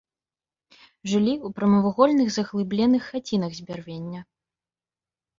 Жылі ў прамавугольных заглыбленых хацінах з бярвення.